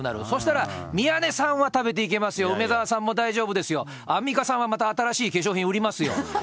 そしたら宮根さんは食べていけますよ、梅沢さんも大丈夫ですよ、アンミカさんはまた新しい化粧品売りますよ。